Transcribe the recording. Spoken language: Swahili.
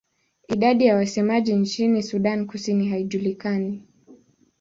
Idadi ya wasemaji nchini Sudan Kusini haijulikani.